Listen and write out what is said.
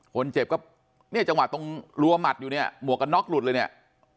คนเจ็บก็เนี่ยจังหวะตรงรัวหมัดอยู่เนี่ยหมวกกันน็อกหลุดเลยเนี่ย